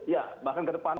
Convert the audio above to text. ya bahkan ke depan